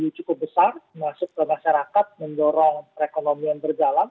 cukup besar masuk ke masyarakat mendorong perekonomian berjalan